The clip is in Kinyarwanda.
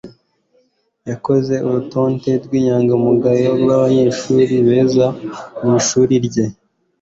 yakoze urutonde rwinyangamugayo rwabanyeshuri beza mwishuri rye